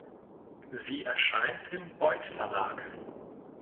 Sie erscheint im Beuth-Verlag.